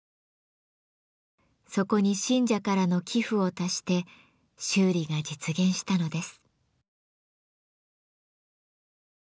そこに信者からの寄付を足して修理が実現したのです。